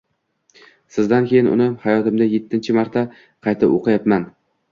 Sizdan keyin uni hayotimda yettinchi marta qayta o’qiyapman.